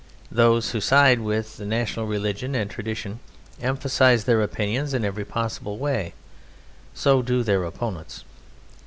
Those who side with the national religion and tradition emphasize their opinion in every possible way so do their opponents.